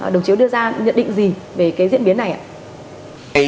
đồng chí có đưa ra nhận định gì về cái diễn biến này ạ